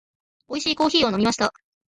美味しいコーヒーを飲みました。